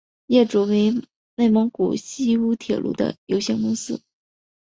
业主为内蒙古锡乌铁路有限责任公司。